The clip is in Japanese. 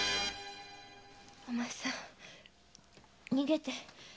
お前さん逃げて！